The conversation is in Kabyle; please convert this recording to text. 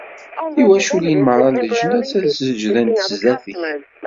Tiwaculin merra n leǧnas ad seǧǧdent sdat-k.